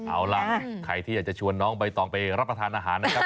เอาล่ะใครที่อยากจะชวนน้องใบตองไปรับประทานอาหารนะครับ